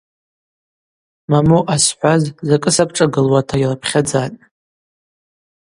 Мамо ъасхӏваз закӏы сапшӏагылуата йырпхьадзатӏ.